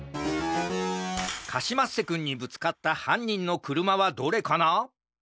カシマッセくんにぶつかったはんにんのくるまはどれかな？